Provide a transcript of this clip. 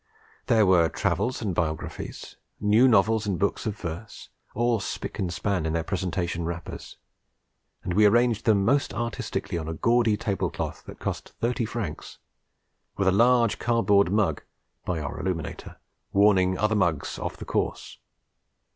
There were travels and biographies, new novels and books of verse, all spick and span in their presentation wrappers; and we arranged them most artistically on a gaudy table cloth that cost thirty francs; with a large cardboard mug (by our Illuminator) warning other mugs off the course.